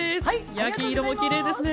焼き色もきれいですね。